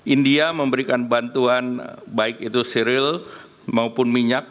india memberikan bantuan baik itu seril maupun minyak